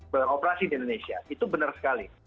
beroperasi di indonesia itu benar sekali